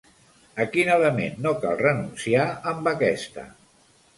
A quin element no cal renunciar amb aquesta?